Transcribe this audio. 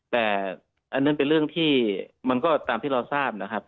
แต่อันนั้นเป็นเรื่องที่มันก็ตามที่เราทราบนะครับ